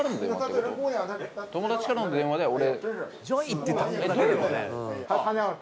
友達からの電話で俺。